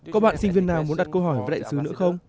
có bạn sinh viên nào muốn đặt câu hỏi với đại sứ nữa không